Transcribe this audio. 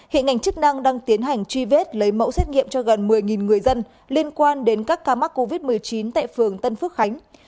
hiện ngành chức năng đang tiến hành truy vết lấy mẫu xét nghiệm cho gần một mươi người dân liên quan đến các ca mắc covid một mươi chín tại phường tân phước khánh